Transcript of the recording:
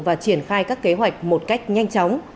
và triển khai các kế hoạch một cách nhanh chóng